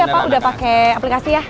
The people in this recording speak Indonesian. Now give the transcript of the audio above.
terimakasih ya ph daha pakai aplikasi ya